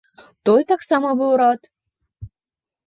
Той таксама быў рад.